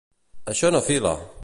Això no fila!